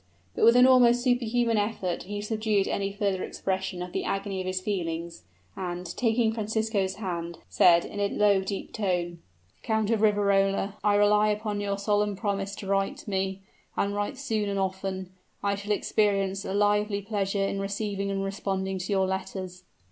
But, with an almost superhuman effort, he subdued any further expression of the agony of his feelings, and, taking Francisco's hand, said, in a low, deep tone: "Count of Riverola, I rely upon your solemn promise to write me, and write soon and often. I shall experience a lively pleasure in receiving and responding to your letters."